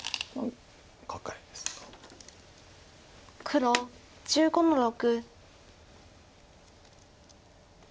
黒１５の六。